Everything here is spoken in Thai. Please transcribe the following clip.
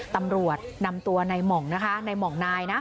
ตำรวจนำตัวในหม่องนะคะในห่องนายนะ